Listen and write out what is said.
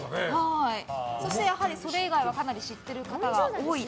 そして、それ以外はかなり知ってる方が多いと。